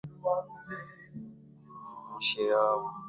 এ বয়সে তুই আর কোনো ছেলে খুঁজে পাবি না।